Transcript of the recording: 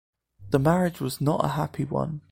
The marriage was not a happy one.